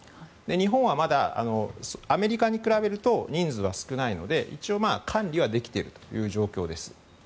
日本はまだ、アメリカに比べると人数は少ないので一応管理はできている状況です。